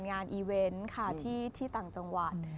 งานอีเวนต์ค่ะที่ต่างจังหวัด